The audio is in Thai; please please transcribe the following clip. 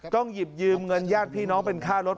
ต้องหยิบยืมเงินยากพี่น้องเป็นค่ารถ